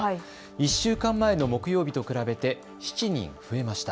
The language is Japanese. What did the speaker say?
１週間前の木曜日と比べて７人増えました。